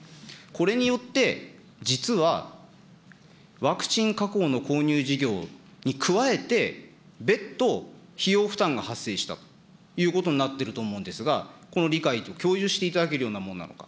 これによって、実はワクチン確保の購入事業に加えて、別途、費用負担が発生したということになってると思うんですが、この理解を、共有していただけるものなんですか。